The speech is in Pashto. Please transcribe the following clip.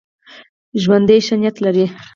ژوندي ښه نیت لري